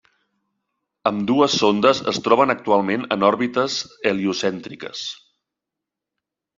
Ambdues sondes es troben actualment en òrbites heliocèntriques.